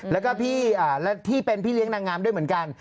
แล้วก็ที่เป็นพี่เลี้ยงนางงามด้วยเหมือนกัน